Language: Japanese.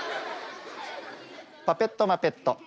パペットマペット。